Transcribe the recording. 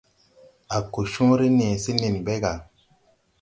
A ko cõõre nee se nen ɓe gà.